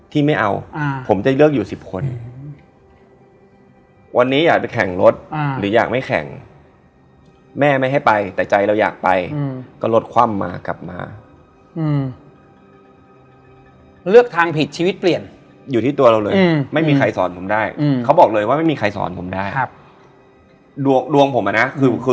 ที่จะหยิบกล้วยอยู่ข้างข้างเขาวางไว้ทำอะไรก็ไม่รู้